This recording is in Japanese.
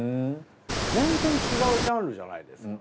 全然違うジャンルじゃないですか。